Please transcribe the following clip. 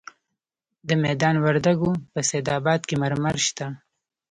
د میدان وردګو په سید اباد کې مرمر شته.